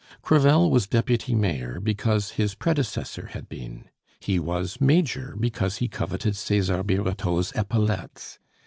Crevel was deputy mayor because his predecessor had been; he was Major because he coveted Cesar Birotteau's epaulettes.